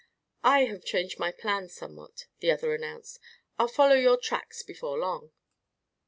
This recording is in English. "I have changed my plans somewhat," the other announced. "I'll follow your tracks before long."